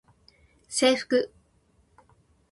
制服